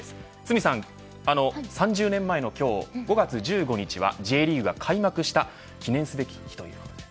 堤さん、３０年前の今日５月１５日はＪリーグが開幕した記念すべき日ということです。